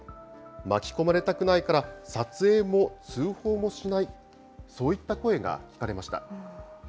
巻き込まれたくないから撮影も通報もしない、そういった声が聞かれました。